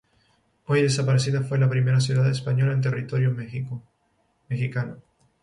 Hoy desaparecida, fue la primera ciudad española en territorio mexicano.